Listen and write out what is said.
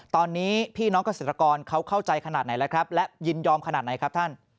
ตอนนี้พี่น้องเกษตรกรเข้าใจขนาดไหนและยินยอมขนาดไหนครับ